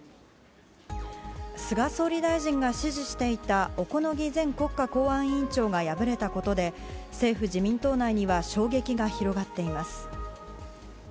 菅総理大臣が支持していた小此木前国家公安委員長が敗れたことで政府・自民党内には衝撃が広がっています。